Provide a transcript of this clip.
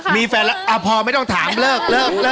มีแฟนแล้วพอไม่ต้องถามเลิก